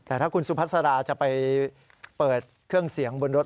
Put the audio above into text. แต่ถ้าคุณสุพัสราจะไปเปิดเครื่องเสียงบนรถ